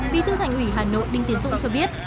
vi tư thành ủy hà nội đinh tiến dũng cho biết